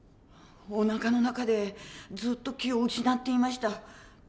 おなかの中でずっと気を失っていました。